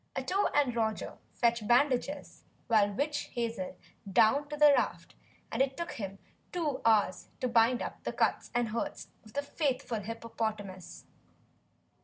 Ato had Roger fetch bandages and witch hazel down to the raft and it took him two hours to bind up the cuts and hurts of the faithful hippopotamus.